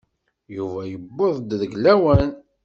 Yuba yuweḍ-d deg lawan?